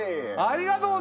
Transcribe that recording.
ありがとう。